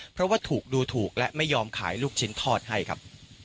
เพราะว่าถูกดูถูกและไม่ยอมขายลูกชิ้นทอดให้ครับ